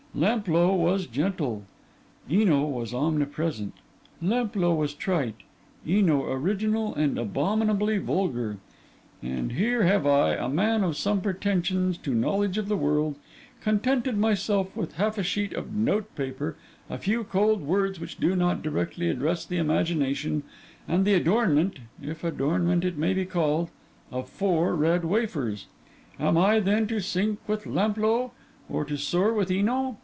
Lamplough was genteel, Eno was omnipresent; Lamplough was trite, Eno original and abominably vulgar; and here have I, a man of some pretensions to knowledge of the world, contented myself with half a sheet of note paper, a few cold words which do not directly address the imagination, and the adornment (if adornment it may be called) of four red wafers! Am I, then, to sink with Lamplough, or to soar with Eno?